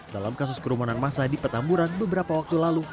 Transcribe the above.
dalam kasus kerumunan masa di petamburan beberapa waktu lalu